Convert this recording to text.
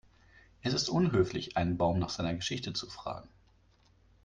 Es ist unhöflich, einen Baum nach seiner Geschichte zu fragen.